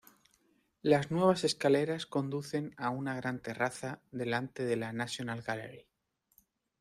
Las nuevas escaleras conducen a una gran terraza delante de la National Gallery.